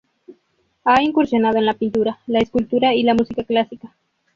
Ha incursionado en la pintura, la escultura y la música clásica.